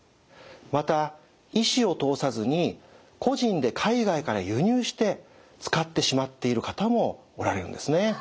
また医師を通さずに個人で海外から輸入して使ってしまっている方もおられるんですね。